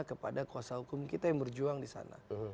kepada kuasa hukum kita yang berjuang disana